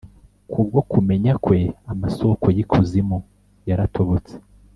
ku bwo kumenya kwe amasōko y’ikuzimu yaratobotse,